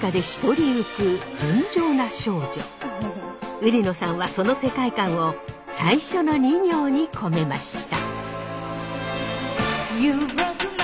売野さんはその世界観を最初の２行に込めました。